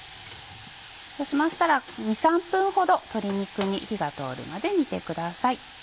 そうしましたら２３分ほど鶏肉に火が通るまで煮てください。